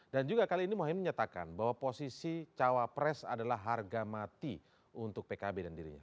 dan juga kali ini mohaimin menyatakan bahwa posisi cawapres adalah harga mati untuk pkb dan dirinya